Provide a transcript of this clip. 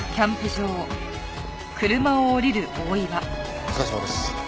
お疲れさまです。